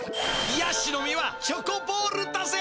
ヤシの実はチョコボールだぜ！